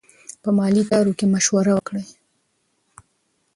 په مالي چارو کې مشوره وکړئ.